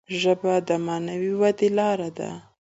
ژبه د معنوي ودي لاره ده.